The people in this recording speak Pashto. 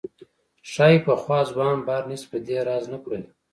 ښايي پخوا ځوان بارنس په دې راز نه پوهېده.